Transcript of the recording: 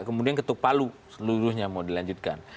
kemudian ketuk palu seluruhnya mau dilanjutkan